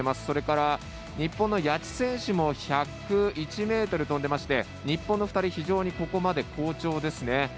それから、日本の谷地選手も１０１ｍ飛んでまして日本の２人、非常にここまで好調ですね。